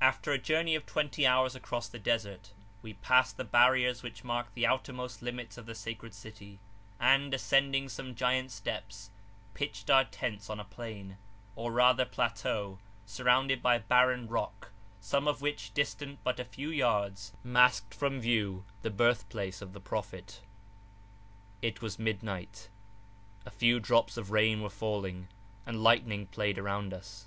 After a journey of twenty hours across the Desert, we passed the barriers which mark the outermost limits of the sacred city, and, ascending some giant steps, pitched our tents on a plain, or rather plateau, surrounded by barren rock, some of which, distant but a few yards, mask from view the birthplace of the Prophet. It was midnight; a few drops of rain were falling, and lightning played around us.